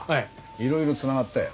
いろいろ繋がったよ。